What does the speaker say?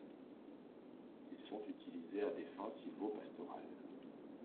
Ils sont utilisés à des fins sylvo-pastorales.